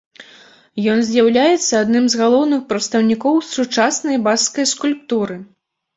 Ён з'яўляецца адным з галоўных прадстаўнікоў сучаснай баскскай скульптуры.